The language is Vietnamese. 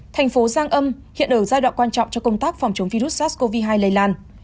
thành phố giang âm hiện ở giai đoạn quan trọng cho công tác phòng chống virus sars cov hai lây lan